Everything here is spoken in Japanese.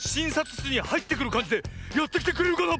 しつにはいってくるかんじでやってきてくれるかな？